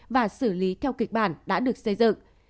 và xử lý theo kịch bản đã được xây dựng